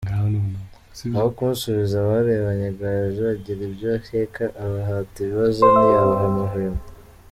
Aho kumusubiza bararebanye, Gaju agira ibyo akeka abahata ibibazo ntiyabaha amahwemo.